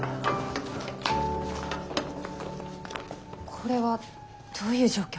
これはどういう状況？